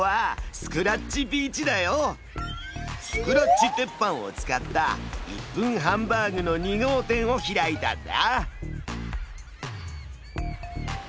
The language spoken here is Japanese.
スクラッチ鉄板を使った１分ハンバーグの２号店を開いたんだ！